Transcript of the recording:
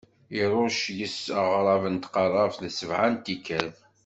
Iṛucc yes-s aɣrab n tqeṛṛabt sebɛa n tikkal.